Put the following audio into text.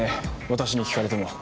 私に聞かれても。